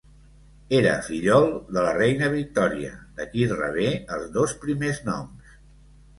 Era fillol de la Reina Victòria, de qui rebé els dos primers noms.